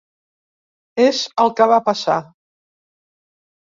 És el que va passar.